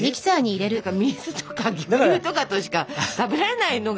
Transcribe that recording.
水とか牛乳とかとしか食べられないのが。